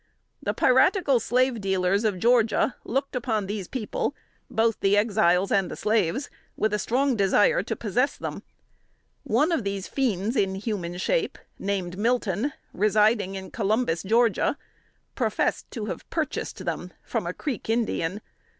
The piratical slave dealers of Georgia looked upon these people, both Exiles and slaves, with strong desire to possess them. One of these fiends in human shape, named Milton, residing in Columbus, Georgia, professed to have purchased them from a Creek Indian.